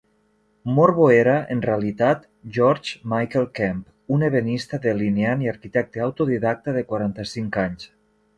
Morvo era, en realitat, George Meikle Kemp, un ebenista, delineant i arquitecte autodidacta de quaranta-cinc anys.